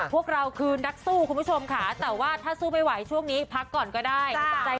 พวกเราก็คือนักสู้คุณผู้ชมแต่ถ้าสู้ไม่ไหวพักก่อนก็ได้